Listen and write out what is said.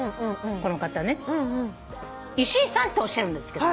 この方ね石井さんっておっしゃるんですけど。